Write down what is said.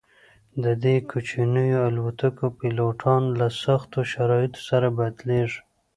د دې کوچنیو الوتکو پیلوټان له سختو شرایطو سره بلدیږي